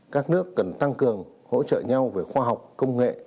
các nước cần tăng cường hỗ trợ nhau về khoa học công nghệ